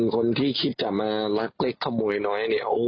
คนที่คิดจะมารักเล็กขโมยน้อย